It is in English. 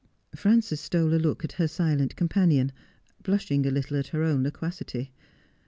Frances stole a look at her silent companion, blushing a little at her own loquacity.